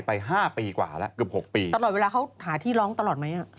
ไป๕ปีกว่าแล้วคือ๖ปีตลอดเวลาเขาหาที่ร้องตลอดไหม